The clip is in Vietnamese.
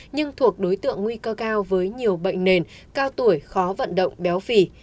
nhưng thuộc đối tượng nguy cơ cao với nhiều bệnh nền cao tuổi khó vận động béo phì